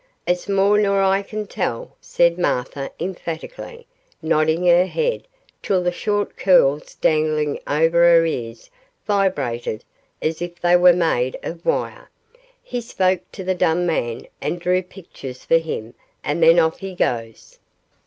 'It's more nor I can tell,' said Martha, emphatically, nodding her head till the short curls dangling over her ears vibrated as if they were made of wire. 'He spoke to the dumb man and drew pictures for him, and then off he goes.